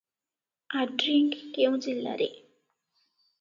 ଆଡ୍ରିଙ୍ଗ କେଉଁ ଜିଲ୍ଲାରେ?